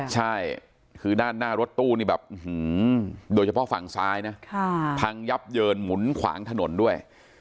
ใช่คือด้านหน้ารถตู้นี่แบบโดยเฉพาะฝั่งซ้ายนะพังยับเยินหมุนขวางถนนด้วย